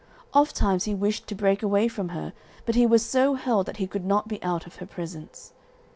Ofttimes he wished to break away from her, but he was so held that he could not be out of her presence.